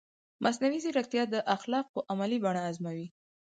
مصنوعي ځیرکتیا د اخلاقو عملي بڼه ازموي.